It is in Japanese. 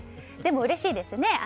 でも、うれしいですね。